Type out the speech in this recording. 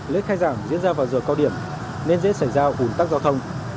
lễ khai giảng diễn ra vào giờ cao điểm nên dễ xảy ra ủn tắc giao thông